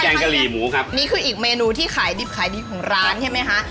งกะหรี่หมูครับนี่คืออีกเมนูที่ขายดิบขายดีของร้านใช่ไหมคะ